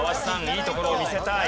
いいところを見せたい。